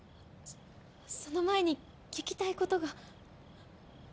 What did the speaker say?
その前に聞きたい事が。